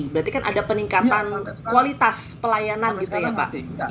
berarti kan ada peningkatan kualitas pelayanan gitu ya pak